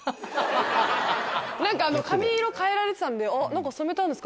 髪色変えられてたんで「染めたんですか？」